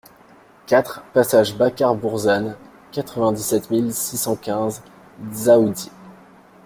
quatre passage Bacar Bourzane, quatre-vingt-dix-sept mille six cent quinze Dzaoudzi